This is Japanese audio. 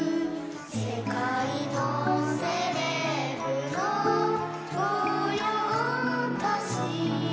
「世界のセレブの御用達」